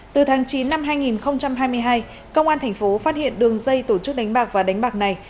từ tháng chín năm hai nghìn hai mươi hai công an thành phố phát hiện đường dây tổ chức đánh bạc và đánh bạc này